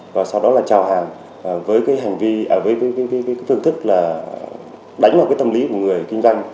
và sau đó là trào hàng với cái hành vi ở với cái phương thức là đánh vào cái tâm lý của người kinh doanh